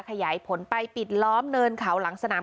ขยายผลไปปิดล้อมเนินเขาหลังสนาม